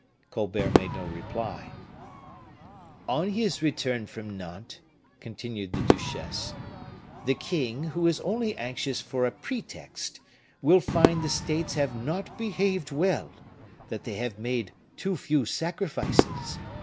Colbert made no reply. "On his return from Nantes," continued the duchesse, "the king, who is only anxious for a pretext, will find that the States have not behaved well that they have made too few sacrifices.